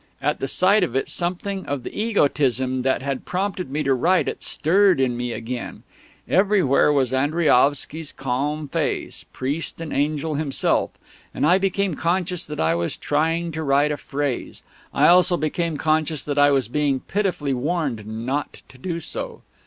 At the sight of it something of the egotism that had prompted me to write it stirred in me again; everywhere was Andriaovsky's calm face, priest and Angel himself; and I became conscious that I was trying to write a phrase. I also became conscious that I was being pitifully warned not to do so...